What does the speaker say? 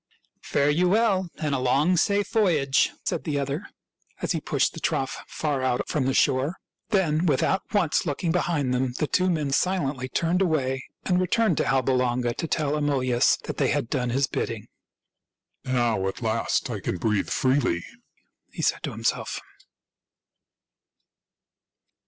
"Fare you well, and a long, safe voyage," said the other, as he pushed the trough far out from the shore. HOW ROME WAS FOUNDED 183 Then, without once looking behind them, the two men silently turned away and returned to Alba Longa to tell Amulius that they had done his bidding. " Now at last I can breathe freely," he said to himself.